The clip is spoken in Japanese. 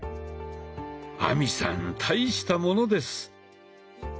亜美さん大したものです！